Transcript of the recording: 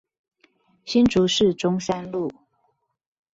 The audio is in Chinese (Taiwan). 新竹市中山路